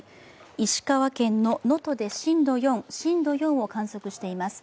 石川県の能登で震度４を観測しています。